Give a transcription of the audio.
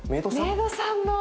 メイドさんも。